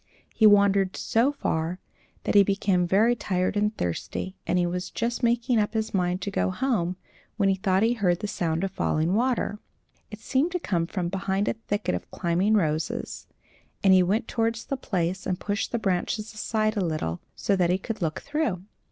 He wandered so far that he became very tired and thirsty, and he was just making up his mind to go home, when he thought he heard the sound of falling water. It seemed to come from behind a thicket of climbing roses; and he went towards the place and pushed the branches aside a little, so that he could look through.